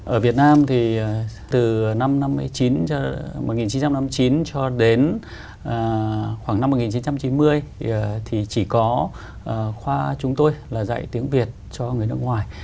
ở việt nam thì từ năm một nghìn chín trăm năm mươi chín cho đến khoảng năm một nghìn chín trăm chín mươi thì chỉ có khoa chúng tôi là dạy tiếng việt cho người nước ngoài